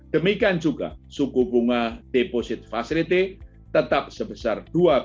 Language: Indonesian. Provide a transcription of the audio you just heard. demikian juga suku bunga deposit facility tetap sebesar dua tiga